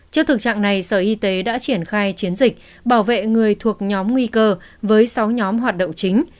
trước thực trạng này sở y tế đã triển khai chiến dịch bảo vệ người thuộc nhóm nguy cơ với sáu nhóm hoạt động chính